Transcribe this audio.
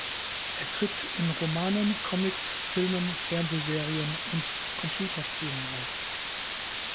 Er tritt in Romanen, Comics, Filmen, Fernsehserien und Computerspielen auf.